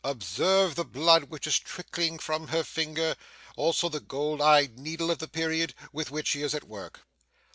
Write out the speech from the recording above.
Observe the blood which is trickling from her finger; also the gold eyed needle of the period, with which she is at work.